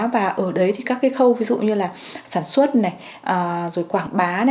và ở đấy thì các khâu ví dụ như là sản xuất quảng bá